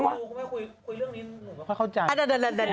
รู้ครับไม่คุยเรื่องนี้